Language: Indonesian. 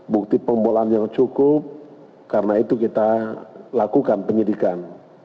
bukti pembolaan yang cukup karena itu kita lakukan penyidikan